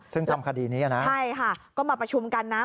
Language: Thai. ซึ่งทำคดีนี้นะใช่ค่ะก็มาประชุมกันนะ